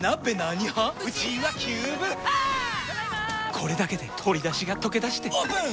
これだけで鶏だしがとけだしてオープン！